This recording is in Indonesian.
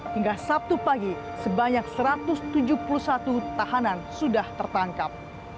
hingga sabtu pagi sebanyak satu ratus tujuh puluh satu tahanan sudah tertangkap